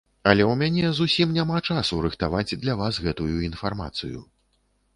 Але ў мяне зусім няма часу рыхтаваць для вас гэтую інфармацыю.